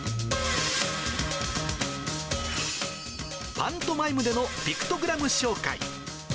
パントマイムでのピクトグラム紹介。